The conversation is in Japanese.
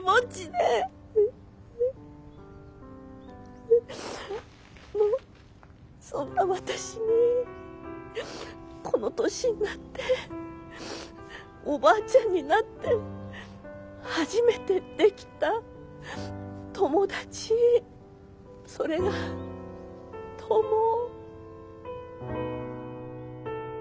でもそんな私にこの年になっておばあちゃんになって初めて出来た友達それがトモ。